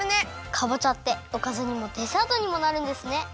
かぼちゃっておかずにもデザートにもなるんですね。